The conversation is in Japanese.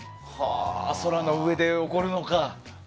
空の上で起こるのか。